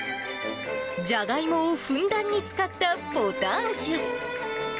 じゃがいもをふんだんに使ったポタージュ。